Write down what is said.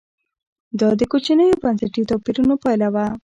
دا د کوچنیو بنسټي توپیرونو پایله وه